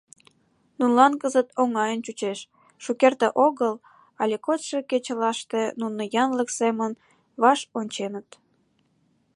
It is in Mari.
Нунылан кызыт оҥайын чучеш: шукерте огыл, але кодшо кечылаште нуно янлык семын ваш онченыт.